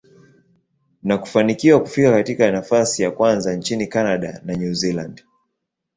na kufanikiwa kufika katika nafasi ya kwanza nchini Canada na New Zealand.